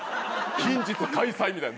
「近日開催」みたいな。